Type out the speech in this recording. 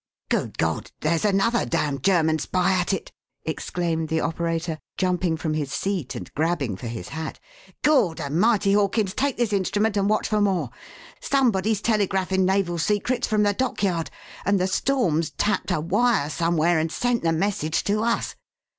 "Good God! There's another damned German spy at it!" exclaimed the operator, jumping from his seat and grabbing for his hat. "Gawdermity, Hawkins, take this instrument and watch for more. Somebody's telegraphin' naval secrets from the dockyard, and the storm's 'tapped' a wire somewhere and sent the message to us!"